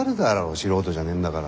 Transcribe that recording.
素人じゃねえんだから。